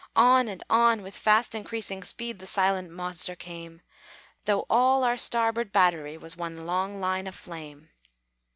On, on, with fast increasing speed, The silent monster came; Though all our starboard battery Was one long line of flame.